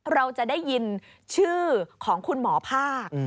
เราจะได้ยินชื่อของคุณหมอภาค